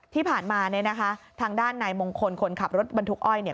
ที่ผ่านมาทางด้านนายมงคลคนขับรถบรรทุกอ้อย